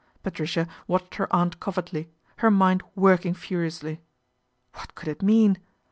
Patricia watched her aunt covertly, her mind working furiously. What could it mean